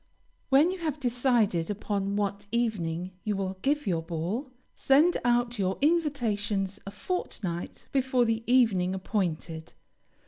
When you have decided upon what evening you will give your ball, send out your invitations, a fortnight before the evening appointed.